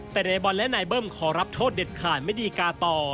แต่นายบอลและนายเบิ้มขอรับโทษเด็ดขาดไม่ดีกาต่อ